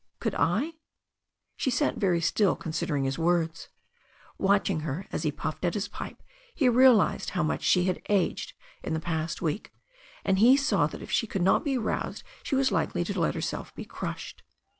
Could I?" She sat very still considering his words. Watching her as he puffed at his pipe, he realized how much she had aged in the past week, and he saw that if she could not be roused she was likely to let herself be crushed.